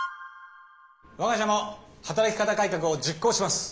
我が社も働き方改革を実行します。